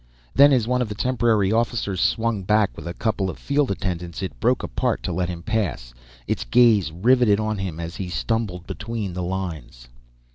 Then as one of the temporary officers swung back with a couple of field attendants, it broke apart to let him pass, its gaze riveted on him as he stumbled between the lines.